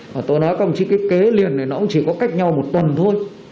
và tôi nói không chứ cái kế liền này nó cũng chỉ có cách nhau một tuần thôi